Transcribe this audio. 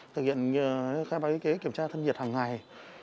thực hiện khai báo y tế kiểm tra thân nhiệt hàng ngày